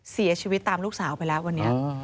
เสียชีวิตตามลูกสาวไปแล้ววันนี้